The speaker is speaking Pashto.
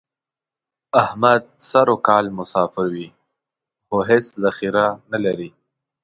احمد سر او کال مسافر وي، خو هېڅ ذخیره نه لري.